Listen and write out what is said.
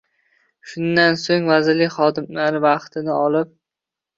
shundan so‘ng vazirlik xodimlarini vaqtini olib